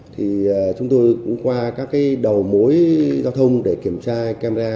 thì chúng tôi cũng qua các cái đầu mối giao thông để kiểm tra camera